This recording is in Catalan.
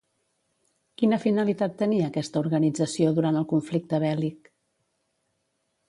Quina finalitat tenia aquesta organització durant el conflicte bèl·lic?